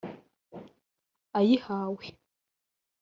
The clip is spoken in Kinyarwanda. ayihawe